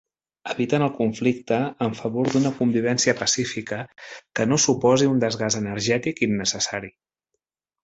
Eviten el conflicte en favor d'una convivència pacífica que no suposi un desgast energètic innecessari.